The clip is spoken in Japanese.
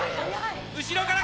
後ろから！